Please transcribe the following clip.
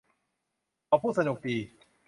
เขาพูดสนุกดี